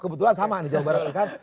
kebetulan sama nih jawa barat ini kan